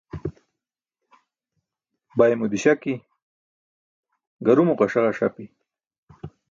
Baymo diśaki, garumo ġasa ġasapi.